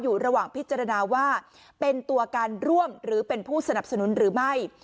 อยู่ระหว่างพิจารณาว่าเป็นตัวการร่วมหรือเป็นผู้สนับสนุนหรือไม่